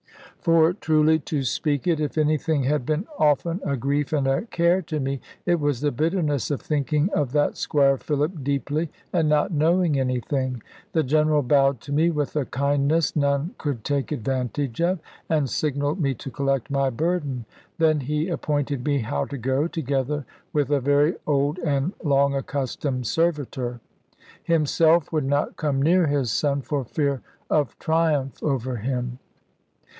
For truly to speak it, if anything had been often a grief and a care to me, it was the bitterness of thinking of that Squire Philip deeply, and not knowing anything. The General bowed to me with a kindness none could take advantage of, and signalled me to collect my burden. Then he appointed me how to go, together with a very old and long accustomed servitor. Himself would not come near his son, for fear of triumph over him.